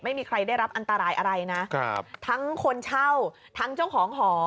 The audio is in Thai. ไม่มีใครได้รับอันตรายอะไรนะครับทั้งคนเช่าทั้งเจ้าของหอ